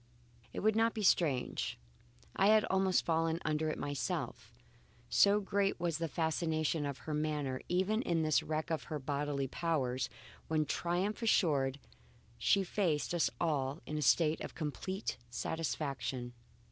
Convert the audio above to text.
It would not be strange; I had almost fallen under it myself, so great was the fascination of her manner even in this wreck of her bodily powers, when triumph assured, she faced us all in a state of complete satisfaction.